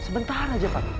sebentar aja pak